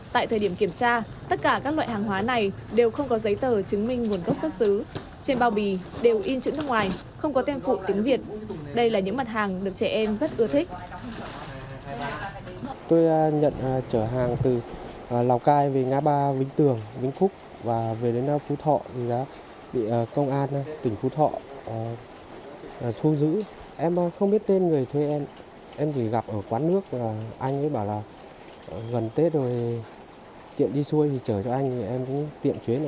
tại thời điểm kiểm tra tất cả các loại hàng hóa này đều không có giấy tờ chứng minh nguồn gốc xuất xứ